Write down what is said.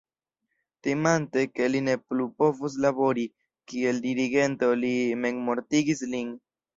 Timante ke li ne plu povus labori kiel dirigento li memmortigis lin.